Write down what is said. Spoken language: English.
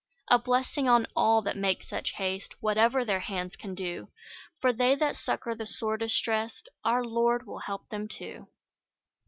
A blessing on all that make such haste, Whatever their hands can do! For they that succour the sore distressed, Our Lord will help them too.